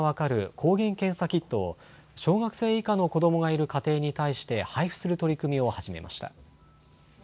抗原検査キットを小学生以下の子どもがいる家庭に対して配布する取り組みを始めました。